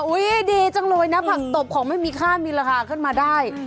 ดีจังเลยนะผักตบของไม่มีค่ามีราคาขึ้นมาได้